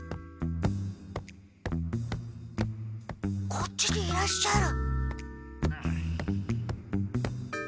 こっちにいらっしゃる。